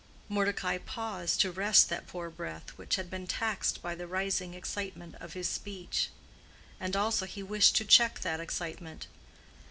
'" Mordecai paused to rest that poor breath which had been taxed by the rising excitement of his speech. And also he wished to check that excitement.